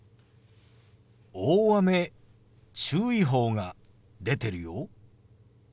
大雨注意報が出てるよ。